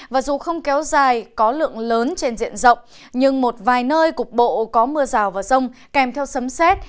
và dù không kéo dài có lượng lớn trên diện rộng nhưng một vài nơi cục bộ có mưa rào và rông kèm theo sấm xét